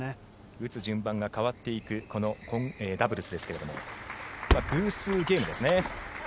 打つ順番が変わっていくダブルスですけれど偶数ゲームですね。